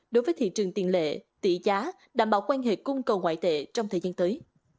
đối với thị trường tiền lệ tỷ giá đảm bảo quan hệ cung cầu ngoại tệ trong thời gian tới